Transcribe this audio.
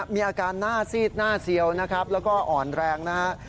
มีอาการหน้าซีดหน้าเซียวนะครับแล้วก็อ่อนแรงนะครับ